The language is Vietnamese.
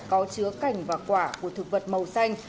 có chứa cảnh và quả của thực vật màu xanh